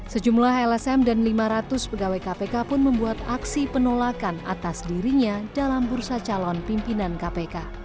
sejumlah lsm dan lima ratus pegawai kpk pun membuat aksi penolakan atas dirinya dalam bursa calon pimpinan kpk